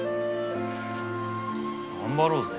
頑張ろうぜ。